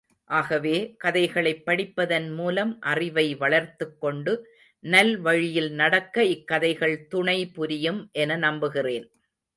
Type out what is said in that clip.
ஆகவே, கதைகளைப் படிப்பதன் மூலம் அறிவை வளர்த்துக்கொண்டு நல்வழியில் நடக்க இக் கதைகள் துணை புரியும் என நம்புகிறேன்.